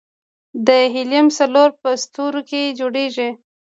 د هیلیم څلور په ستورو کې جوړېږي.